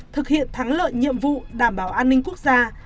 thực hiện thắng lợi nhiệm vụ đảm bảo an ninh quốc gia